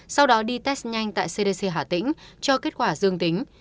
sau đó đi test nhanh tại cdc hà tĩnh cho kết quả dương tính